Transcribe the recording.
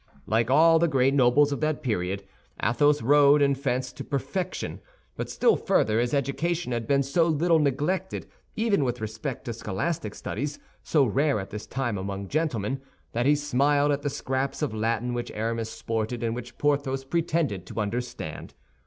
Like all the great nobles of that period, Athos rode and fenced to perfection. But still further, his education had been so little neglected, even with respect to scholastic studies, so rare at this time among gentlemen, that he smiled at the scraps of Latin which Aramis sported and which Porthos pretended to understand.